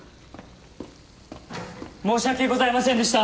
申し訳ございませんでした。